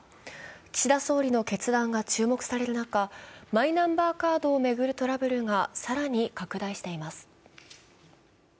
岸田総理の決断が注目される中、マイナンバーカードを巡るトラブルが更に拡大しています。